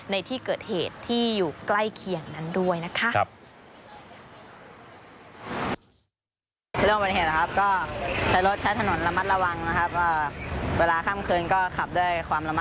ในที่เกิดเหตุที่อยู่ใกล้เคียงนั้นด้วยนะคะ